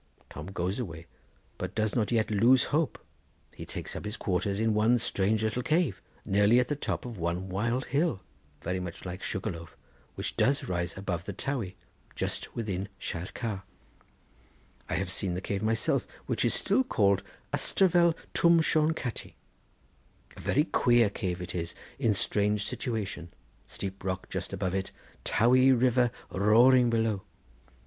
Tom goes away, but does not yet lose hope. He takes up his quarters in one strange little cave, nearly at the top of one wild hill, very much like sugar loaf, which does rise above the Towey, just within Shire Car. I have seen the cave myself, which is still called Ystafell Twm Shone Catty. Very queer cave it is, in strange situation: steep rock just above it, Towey river roaring below.